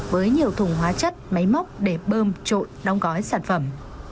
với nhiều thùng hóa chất máy móc để bơm trộn đóng gói sản phẩm